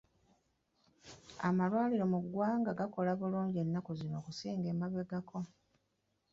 Amalwaliro mu ggwanga gakola bulungi ennaku zino okusinga emabegako.